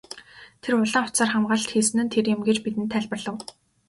Тэр улаан утсаар хамгаалалт хийсэн нь тэр юм гэж бидэнд тайлбарлав.